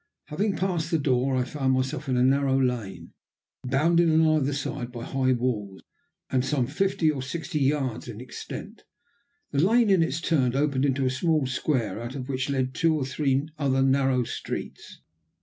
Having passed the door I found myself in a narrow lane, bounded on either side by high walls, and some fifty or sixty yards in extent. The lane, in its turn, opened into a small square, out of which led two or three other narrow streets.